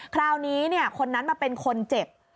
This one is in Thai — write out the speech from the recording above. คราวนี้คนนั้นมาเป็นคนเจ็บ